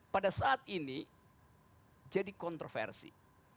pada saat ini jadi kontroversi